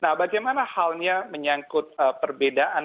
nah bagaimana halnya menyangkut perbedaan